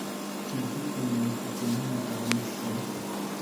Ĉu vi konas Sinjoron S.